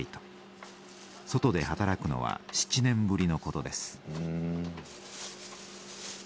外で働くのは７年ぶりのことです。